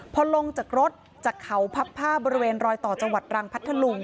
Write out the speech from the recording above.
พอลงจากรถจากเขาพับผ้าบริเวณรอยต่อจังหวัดรังพัทธลุง